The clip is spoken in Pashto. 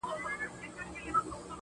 خدايه ته لوی يې_